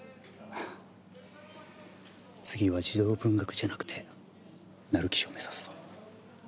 次は児童文学じゃなくて成木賞を目指すぞ。